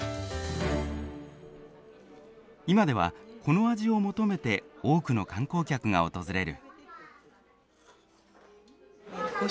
今ではこの味を求めて多くの観光客が訪れる。